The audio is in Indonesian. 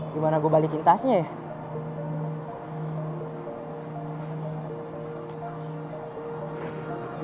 gimana gue balikin tasnya ya